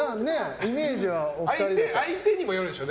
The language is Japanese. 相手にもよるでしょ。